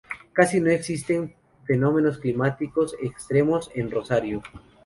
Casi no existen fenómenos climáticos extremos en Rosario.